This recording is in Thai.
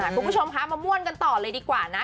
คุณผู้ชมคะมาม่วนกันต่อเลยดีกว่านะ